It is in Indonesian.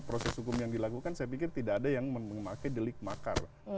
proses hukum yang dilakukan saya pikir tidak ada yang memakai delik makar